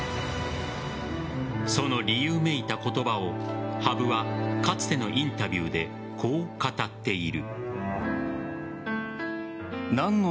その理由めいた言葉を羽生はかつてのインタビューでこう語っている。